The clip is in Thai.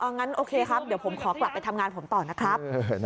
งั้นโอเคครับเดี๋ยวผมขอกลับไปทำงานผมต่อนะครับ